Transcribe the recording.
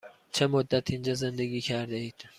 چه مدت اینجا زندگی کرده اید؟